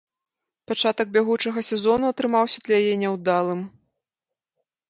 Пачатак бягучага сезону атрымаўся для яе няўдалым.